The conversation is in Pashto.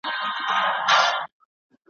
دا دنيا به مالامال وي له بدلارو ,